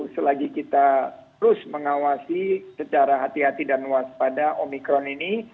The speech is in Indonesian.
selagi kita terus mengawasi secara hati hati dan waspada omikron ini